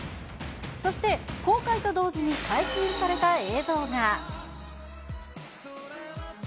そして、公開と同時に解禁された映像が。